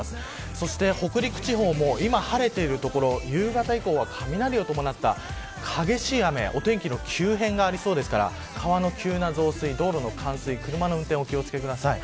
そして、北陸地方も今晴れている所、夕方以降は雷を伴った激しい雨お天気の急変がありそうですから川の急な増水、道路の冠水車の運転にお気を付けください。